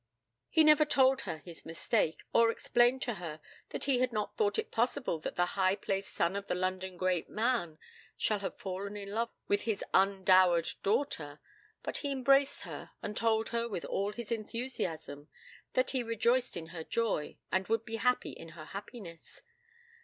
He never told her his mistake, or explained to her that he had not thought it possible that the high placed son of the London great man shall have fallen in love with his undowered daughter; but he embraced her, and told her, with all his enthusiasm, that he rejoiced in her joy, and would be happy in her happiness.